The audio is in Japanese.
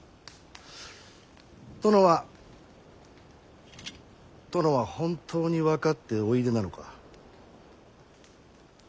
殿は殿は本当に分かっておいでなのか。